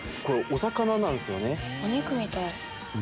これお魚なんですよね？